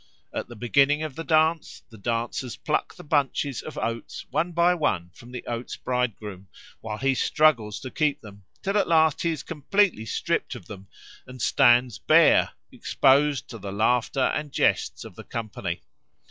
At the beginning of the dance the dancers pluck the bunches of oats one by one from the Oats bridegroom, while he struggles to keep them, till at last he is completely stript of them and stands bare, exposed to the laughter and jests of the company.